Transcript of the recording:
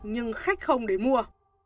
nhưng khách không để mua